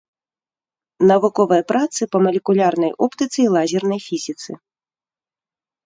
Навуковыя працы па малекулярнай оптыцы і лазернай фізіцы.